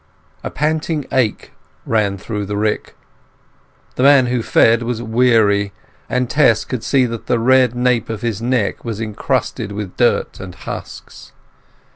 A panting ache ran through the rick. The man who fed was weary, and Tess could see that the red nape of his neck was encrusted with dirt and husks.